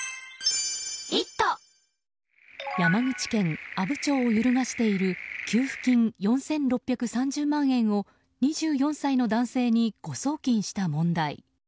山口県阿武町を揺るがしている給付金４６３０万円を２４歳の男性に誤送金した問題。